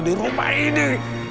di rumah ini